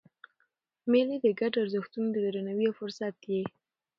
مېلې د ګډو ارزښتونو د درناوي یو فرصت يي.